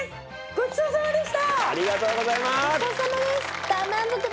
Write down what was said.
ごちそうさまです。